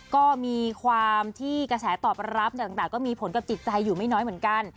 ก็มีความที่กระแสตอบรับต่างก็มีผลกับจิตใจอยู่ไม่น้อยเหมือนกัน